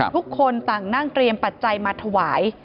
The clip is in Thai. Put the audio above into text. ทุกคนต่างนั่งเตรียมปัจจัยมาถวาย